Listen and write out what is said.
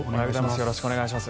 よろしくお願いします。